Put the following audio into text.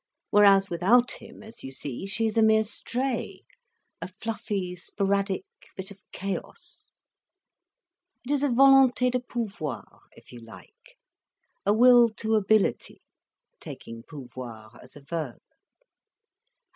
Whereas without him, as you see, she is a mere stray, a fluffy sporadic bit of chaos. It is a volonté de pouvoir, if you like, a will to ability, taking pouvoir as a verb."